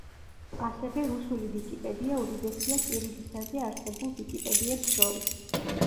ასევე, რუსული ვიკიპედია უდიდესია კირილიცაზე არსებულ ვიკიპედიებს შორის.